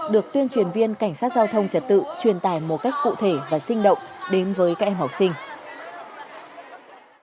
được tuyên truyền viên cảnh sát giao thông trật tự truyền tải một cách cụ thể và sinh động đến với các em học sinh